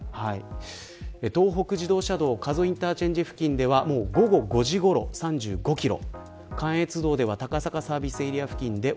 東北自動車道加須インターチェンジ付近では午後５時ごろ、３５キロ。